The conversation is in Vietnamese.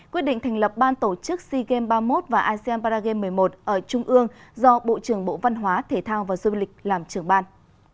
quyết định thành lập ban tổ chức sea games ba mươi một và asean paragame một mươi một ở trung ương do bộ trưởng bộ văn hóa thể thao và du lịch làm trưởng ban